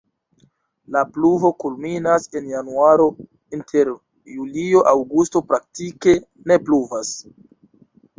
La pluvo kulminas en januaro, inter julio-aŭgusto praktike ne pluvas.